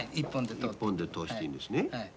１本で通していいんですね？